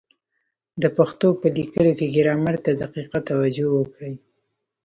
د پښتو په لیکلو کي ګرامر ته دقیقه توجه وکړئ!